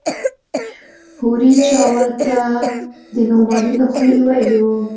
هورې چا ورته د نعماني له خولې ويلي و.